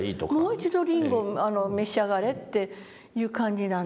もう一度りんごを召し上がれっていう感じなんですね。